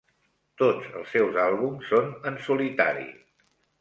Tots els seus àlbums són en solitari.